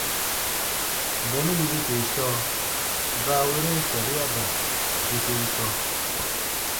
Bɔnu yiruse sɔɔ baaweren sariaba bweseru sɔɔ.